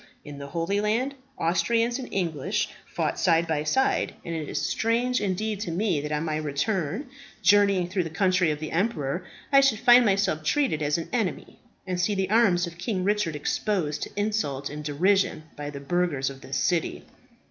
In the Holy Land, Austrians and English fought side by side; and it is strange indeed to me that on my return, journeying through the country of the emperor, I should find myself treated as an enemy, and see the arms of King Richard exposed to insult and derision by the burghers of this city."